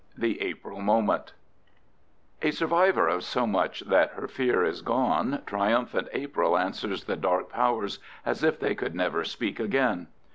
THE APRIL MOMENT Survivor of so much that her fear is gone, triumphant April answers the dark powers as if they could never speak again.